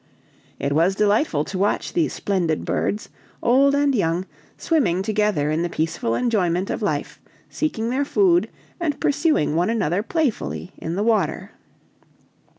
It was delightful to watch these splendid birds, old and young, swimming together in the peaceful enjoyment of life, seeking their food, and pursuing one another playfully in the water.